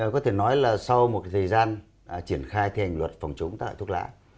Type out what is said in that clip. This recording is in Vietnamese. có thể nói là sau một thời gian triển khai thi hành luật phòng chống tác hại thuốc lá